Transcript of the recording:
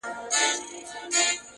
چي په دام كي اسير نه سي كوم موږك دئ٫